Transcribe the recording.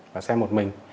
và xem một mình